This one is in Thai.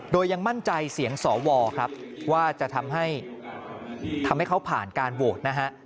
โดยยังมั่นใจเสียงสวครับว่าจะทำให้เขาผ่านการโหวตนะฮะ